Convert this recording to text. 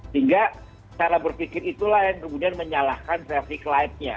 sehingga cara berpikir itulah yang kemudian menyalahkan traffic light nya